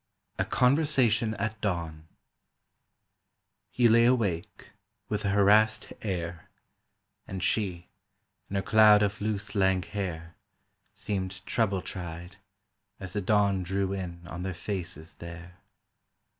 A CONVERSATION AT DAWN HE lay awake, with a harassed air, And she, in her cloud of loose lank hair, Seemed trouble tried As the dawn drew in on their faces there.